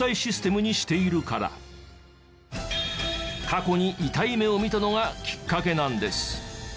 過去に痛い目を見たのがきっかけなんです。